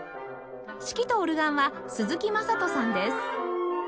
指揮とオルガンは鈴木優人さんです